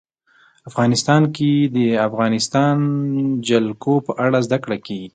افغانستان کې د د افغانستان جلکو په اړه زده کړه کېږي.